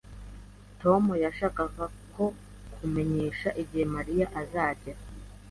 Tom yashakaga ko nkumenyesha igihe Mariya azagera